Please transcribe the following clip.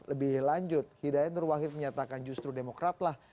lebih lanjut hidayat nur wahid menyatakan justru demokrat lah